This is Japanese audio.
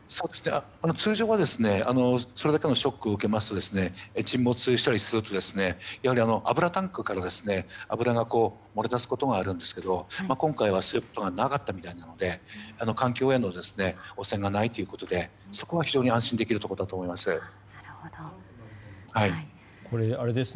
通常は、それだけのショックを受けますと沈没したりするとやはり油タンクから油が漏れ出すことがあるんですけど今回はそういうことがなかったということなので環境への汚染がないということでそこは非常に安心できるところだと思います。